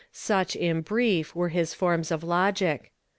Such, in brief, were liis forms of logic.